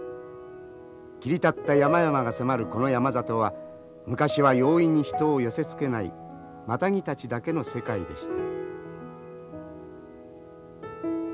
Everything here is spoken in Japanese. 切り立った山々が迫るこの山里は昔は容易に人を寄せつけないマタギたちだけの世界でした。